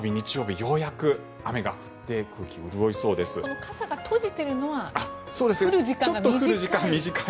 ようやく雨が降って傘が閉じているのは降る時間が短い。